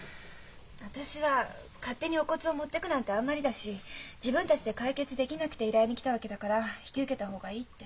私は勝手にお骨を持ってくなんてあんまりだし自分たちで解決できなくて依頼に来たわけだから引き受けた方がいいって。